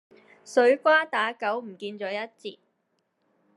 水瓜打狗唔見咗一截